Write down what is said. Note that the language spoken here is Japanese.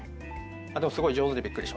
でもすごい上手でびっくりしました。